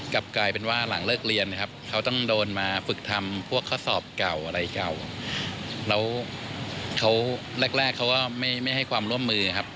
เขาแรกเขาก็ไม่ให้ความร่วมมือครับ